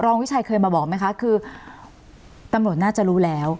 วิชัยเคยมาบอกไหมคะคือตำรวจน่าจะรู้แล้ว